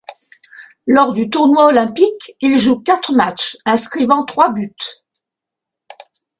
Lors du tournoi olympique, il joue quatre matchs, inscrivant trois buts.